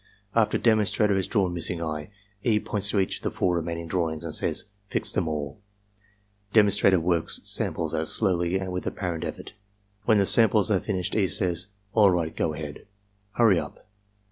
After demonstrator has drawn missing eye. E. points to each of the four remaining drawings and says, "Fix them all." Demonstrator works samples out slowly and with apparent effort. When the samples are finished E. says, "All right. Go ahead. Hurry up!"